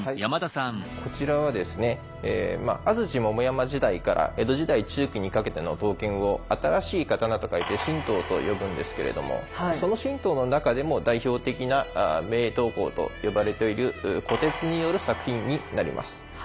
こちらはですね安土桃山時代から江戸時代中期にかけての刀剣を新しい刀と書いて新刀と呼ぶんですけれどもその新刀の中でも代表的な名刀工と呼ばれている虎徹による作品になります。